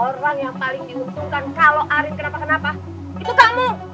orang yang paling diuntungkan kalau arin kenapa kenapa itu kamu